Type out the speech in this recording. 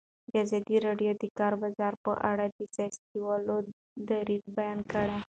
ازادي راډیو د د کار بازار په اړه د سیاستوالو دریځ بیان کړی.